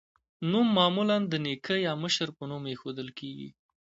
نوم معمولا د نیکه یا مشر په نوم ایښودل کیږي.